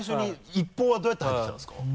一報はどうやって入ってきたんですか？